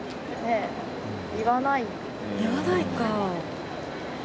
言わないか。